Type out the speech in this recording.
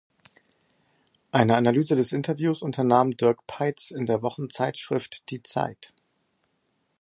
Eine Analyse des Interviews unternahm Dirk Peitz in der Wochenzeitschrift "Die Zeit".